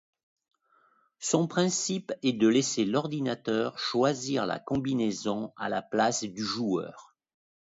Son principe est de laisser l'ordinateur choisir la combinaison à la place du joueur.